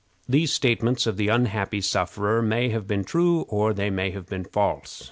These statements of the unhappy sufferer may have been true or they may have been false.